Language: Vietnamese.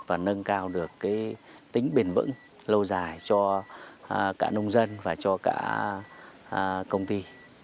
và nâng cao được tính bền vững lâu dài cho cả nông dân và cho cả công ty